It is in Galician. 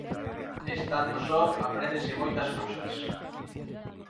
Estando só apréndense moitas cousas.